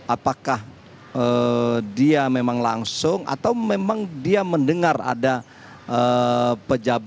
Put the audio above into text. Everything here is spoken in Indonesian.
apakah dia memang langsung atau memang dia mendengar ada pejabat yang berkaitan dengan ini